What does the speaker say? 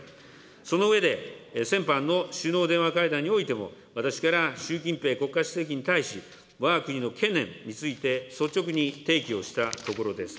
その上で、先般の首脳電話会談においても、私から習近平国家主席に対し、わが国の懸念について率直に提起をしたところです。